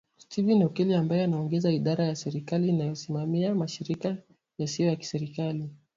Stephen Okello ambaye anaongoza idara ya serikali inayosimamia mashirika yasiyo ya kiserikali